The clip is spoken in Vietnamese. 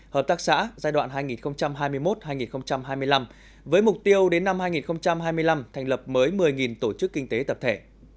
hợp tác xã giai đoạn hai nghìn hai mươi một hai nghìn hai mươi năm với mục tiêu đến năm hai nghìn hai mươi năm thành lập mới một mươi tổ chức kinh tế tập thể